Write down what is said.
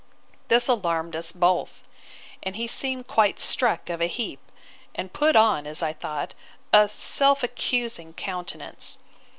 This alarmed us both; and he seemed quite struck of a heap, and put on, as I thought, a self accusing countenance.